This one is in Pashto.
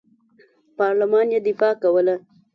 پارلمان یې دفاع کوله.